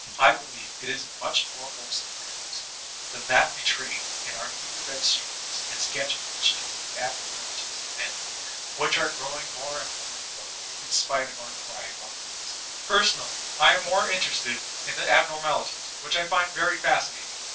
I believe it is a mudi more 37^ VOLTAIKINE DE ClEYXB wholesome appearance, than that betrayed in oor fever* bred stories and sketches which deal with the ab normalities of men, and which are growing more and more in vogue, in spite of our cry about realism. Personally, I am more interested in the abnormalities, which I find very fascinating.